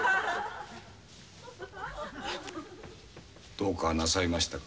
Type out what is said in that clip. どうかなさいましたか？